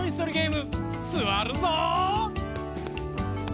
すわるぞう！